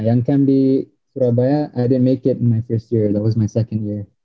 yang camp di surabaya i didn t make it in my first year that was my second year